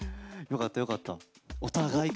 よかったよかった。